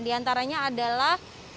di antaranya adalah